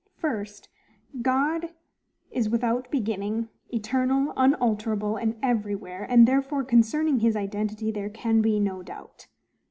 First, GOD is without beginning, eternal, unalterable, and everywhere, and therefore concerning his identity there can be no doubt.